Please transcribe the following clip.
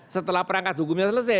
setelah perangkat hukumnya selesai